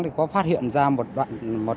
thì có phát hiện ra một đoạn